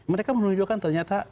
mereka menunjukkan ternyata